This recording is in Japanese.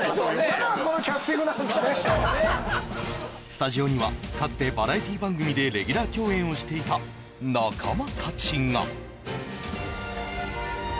スタジオには、かつてバラエティー番組でレギュラー共演をしていた仲間たちが。